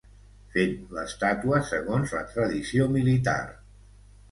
Fent l'estàtua segons la tradició militar.